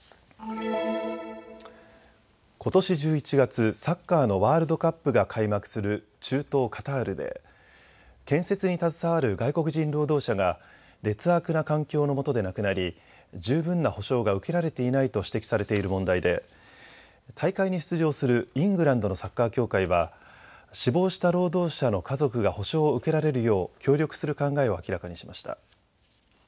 ことし１１月、サッカーのワールドカップが開幕する中東カタールで建設に携わる外国人労働者が劣悪な環境のもとで亡くなり十分な補償が受けられていないと指摘されている問題で大会に出場するイングランドのサッカー協会は死亡した労働者の家族が補償を受けられるよう協力する考えを明らかにしました。